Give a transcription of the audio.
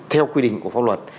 theo quy định của pháp luật